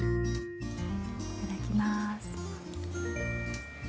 いただきます。